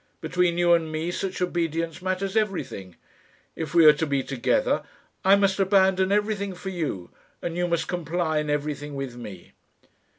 Between you and me such obedience matters everything. If we are to be together, I must abandon everything for you, and you must comply in everything with me."